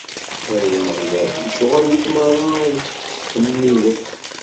Ay Ameɣlal, lecɣwal-ik merra ad k-ttḥemmiden.